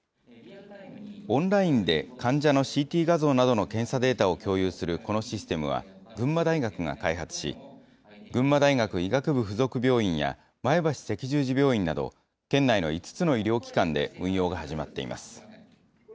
オンラインで患者のＣＴ画像などの検査データを共有するこのシステムは、群馬大学が開発し、群馬大学医学部附属病院や前橋赤十字病院など、県内の５つの医療機関で運用が始まっています。